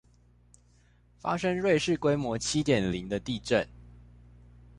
發生苪氏規模七點零的地震